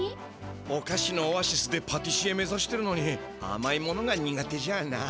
おかしのオアシスでパティシエ目ざしてるのにあまいものがにがてじゃあな。